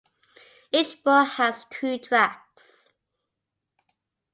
Each bore has two tracks.